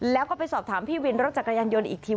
แล้วก็ไปสอบถามพี่วินรถจักรยานยนต์อีกที